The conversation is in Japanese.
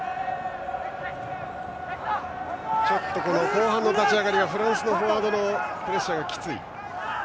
後半の立ち上がりがフランスのフォワードのプレッシャーがきつい。